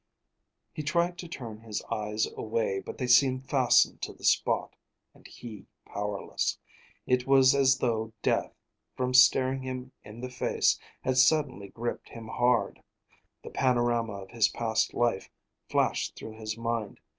He tried to turn his eyes away, but they seemed fastened to the spot, and he powerless. It was as though death, from staring him in the face, had suddenly gripped him hard. The panorama of his past life flashed through his mind.